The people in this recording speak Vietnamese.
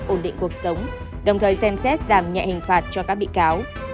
ổn định cuộc sống đồng thời xem xét giảm nhẹ hình phạt cho các bị cáo